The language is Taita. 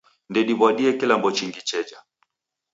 Ndediw'adie kilambo chingi cheja.